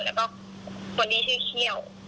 แล้วก็คนนี้ชื่อเขี้ยว